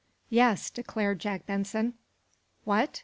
"Yes," declared Jack Benson. "What?